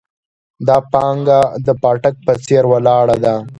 دا پانګه د پاټک په څېر ولاړه ده.